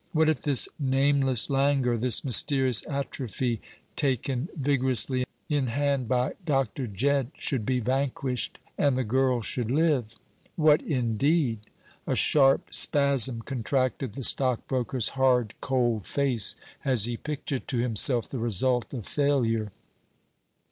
What if this nameless languor, this mysterious atrophy, taken vigorously in hand by Dr. Jedd, should be vanquished, and the girl should live? What indeed? A sharp spasm contracted the stockbroker's hard cold face as he pictured to himself the result of failure.